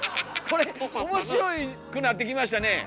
これ面白くなってきましたねえ！